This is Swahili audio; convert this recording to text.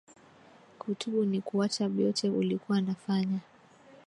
Kutubu ni kuacha byote ulikuwa na fanya